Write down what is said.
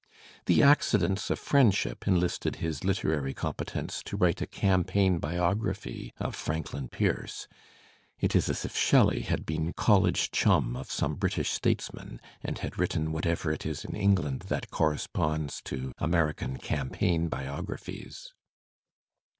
The accidents of friendship enlisted his literaiy competence to write a campaign biog raphy" of Franklin Pierce. It is as if Shelley had been college chum of some British statesman and had written whatever it is in England that corresponds to American campaign biographies.